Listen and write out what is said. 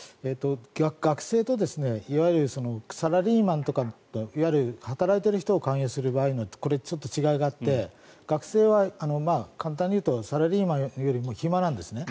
学生といわゆるサラリーマンとかいわゆる働いている人を勧誘する場合は違いがあって学生は簡単に言うとサラリーマンよりも暇なんですね。